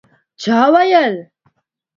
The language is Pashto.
چا ویل